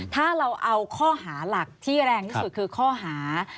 ถ้าเราเอาข้อหาหลักที่แรงที่สุดคือข้อหา